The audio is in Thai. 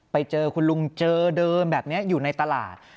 ไปเจอคุณลุงเจอเดิมแบบนี้อยู่ในตลาด